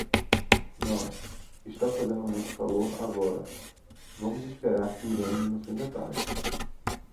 Não, está fazendo muito calor agora, vamos esperar que iremos no fim da tarde.